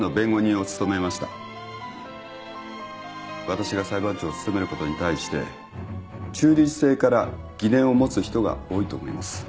私が裁判長を務めることに対して中立性から疑念を持つ人が多いと思います。